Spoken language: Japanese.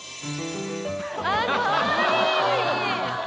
あっかわいい。